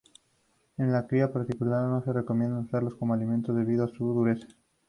En la cría particular no se recomienda usarlos como alimento debido a su dureza.